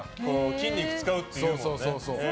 筋肉使うっていうもんね。